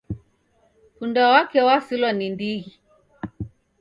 Punda wake wasilwa ni ndighi